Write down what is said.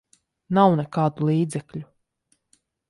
Nav nekādu līdzekļu.